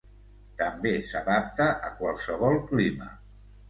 També s'adapta a qualsevol clima.